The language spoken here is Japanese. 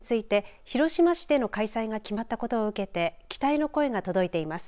来年のＧ７サミットについて広島市での開催が決まったことを受けて期待の声が届いています。